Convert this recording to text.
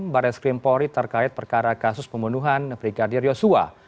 baris krimpori terkait perkara kasus pembunuhan brigadir yosua